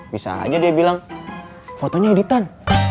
bisa aja dia bilang fotonya editan